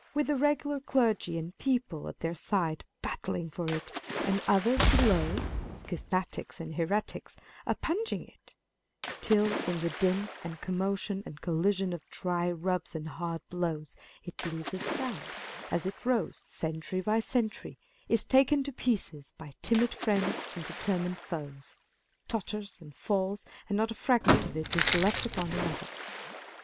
with the regular clergy and people at their side battling for it, and others below (schismatics and heretics) oppugning it ; till in the din and commotion and collision of dry rubs and hard blows, it loses ground, as it rose, century by century ; is taken to pieces by timid friends and determined foes ; totters and falls, and not a fragment of it is left upon another.